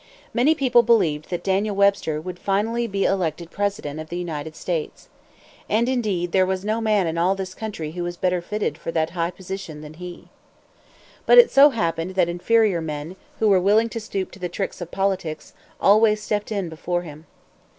Many people believed that Daniel Webster would finally be elected president of the United States. And, indeed, there was no man in all this country who was better fitted for that high position than he. But it so happened that inferior men, who were willing to stoop to the tricks of politics, always stepped in before him.